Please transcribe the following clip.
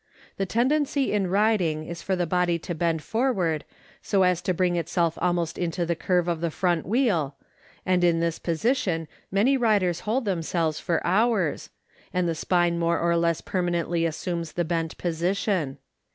The tendency in riding is for the body to bend forward so as to bring itself almost into the curve of the front wheel, and in this position many riders hold themselves for 180 THE NORTH AMERICAN REVIEW. hours, and the spine more or less permanently assumes the bent position.